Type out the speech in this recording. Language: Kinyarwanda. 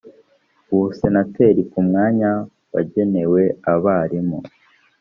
ubusenateri ku mwanya wagenewe abarimu